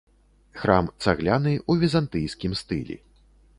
Храм цагляны ў візантыйскім стылі.